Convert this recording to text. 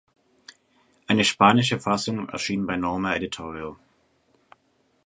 Eine spanische Fassung erschien bei Norma Editorial.